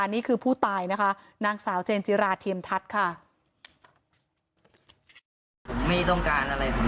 นี่คือผู้ตายนะคะนางสาวเจนจิราเทียมทัศน์ค่ะ